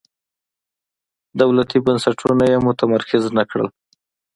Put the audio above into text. دولتي بنسټونه یې متمرکز نه کړل.